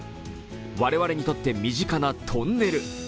我々にとって身近なトンネル。